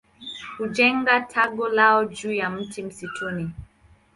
Hujenga tago lao juu ya mti msituni.